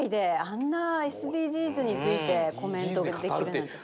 あんなＳＤＧｓについてコメントができるなんて。